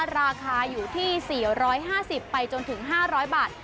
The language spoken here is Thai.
ราคาอยู่ที่๔๕๐ไปจนถึง๕๐๐บาท